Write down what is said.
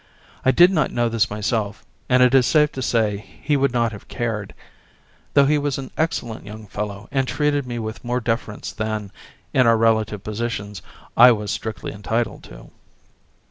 I did not know this myself, and it is safe to say he would not have cared, though he was an excellent young fellow and treated me with more deference than, in our relative positions, I was strictly entitled to.